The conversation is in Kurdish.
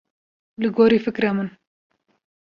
Li gorî fikra min.